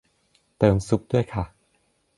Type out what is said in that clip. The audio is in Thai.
เติมซุปด้วยค่ะ